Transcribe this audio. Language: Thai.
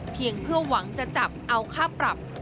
เพื่อหวังจะจับเอาค่าปรับ